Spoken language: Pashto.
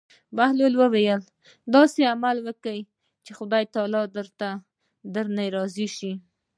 بهلول وویل: داسې عمل وکړه چې خدای تعالی درنه راضي شي.